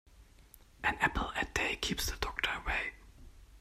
An apple a day keeps the doctor away.